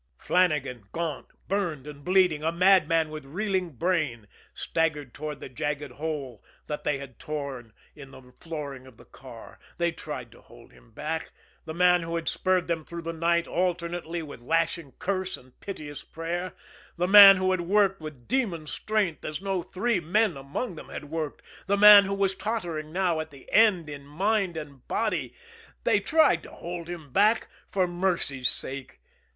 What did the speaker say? Flannagan, gaunt, burned and bleeding, a madman with reeling brain, staggered toward the jagged hole that they had torn in the flooring of the car. They tried to hold him back, the man who had spurred them through the night alternately with lashing curse and piteous prayer, the man who had worked with demon strength as no three men among them had worked, the man who was tottering now at the end in mind and body, they tried to hold him back for mercy's sake.